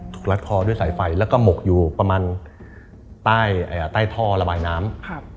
รัดคอด้วยสายไฟแล้วก็หมกอยู่ประมาณใต้ท่อระบายน้ำ